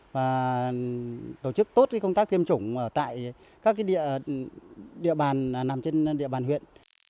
và tổ chức tốt công tác tiêm chủng ở tại các địa bàn nằm trên địa bàn huyện